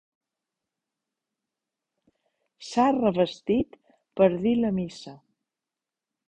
S'ha revestit per dir la missa.